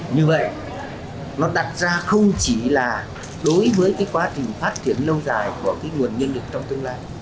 như vậy nó đặt ra không chỉ là đối với quá trình phát triển lâu dài của nguồn nhân lực trong tương lai